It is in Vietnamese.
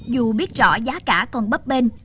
dù biết rõ giá cả còn bấp bên